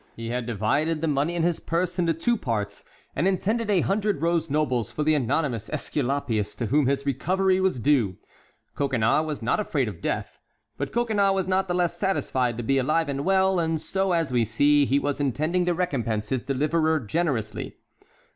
He had divided the money in his purse into two parts, and intended a hundred rose nobles for the anonymous Esculapius to whom his recovery was due. Coconnas was not afraid of death, but Coconnas was not the less satisfied to be alive and well, and so, as we see, he was intending to recompense his deliverer generously.